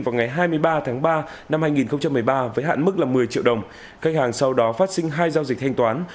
vào ngày hai mươi ba tháng ba năm hai nghìn một mươi ba với hạn mức một mươi triệu đồng khách hàng sau đó phát sinh hai giao dịch thanh toán